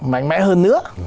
mạnh mẽ hơn nữa